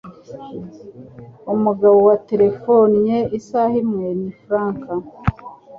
Umugabo waterefonnye isaha imwe ni Frank.